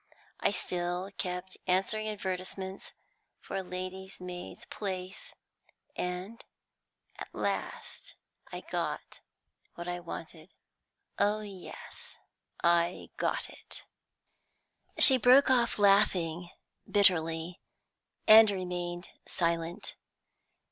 I still kept answering advertisements for a lady's maid's place, and at last I got what I wanted. Oh yes, I got it." She broke off' laughing bitterly, and remained silent.